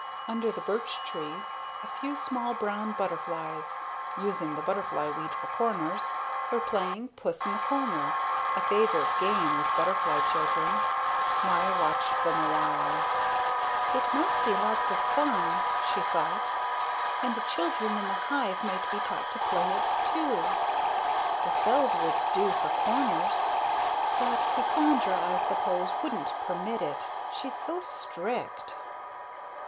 Under the birch tree a few small brown butterflies, using the butterfly weed for corners, were playing puss in the corner, a favorite game with butterfly children. Maya watched them a while. "It must be lots of fun," she thought, "and the children in the hive might be taught to play it, too. The cells would do for corners. But Cassandra, I suppose, wouldn't permit it. She's so strict."